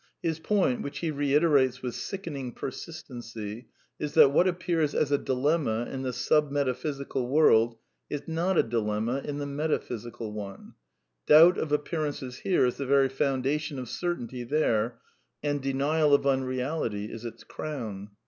His point, which he reiterates with sickening persistency, is that what appears as a dilemma in the sub metaphysical world is not a dilemma in the metaphysical one ; doubt of appear ances here is the very foundation of certainty there, and denial of unreality is its crown.